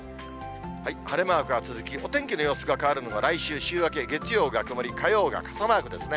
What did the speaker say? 晴れマークが続き、お天気の様子が変わるのが来週週明け、月曜が曇り、火曜が傘マークですね。